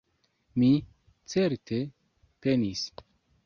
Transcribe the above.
Mi, certe, penis.